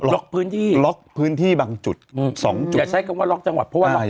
ล็อกพื้นที่ล็อกพื้นที่บางจุดสองจุดอย่าใช้คำว่าล็อกจังหวัดเพราะว่า